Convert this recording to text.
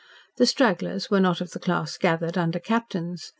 The stragglers were not of the class gathered under captains.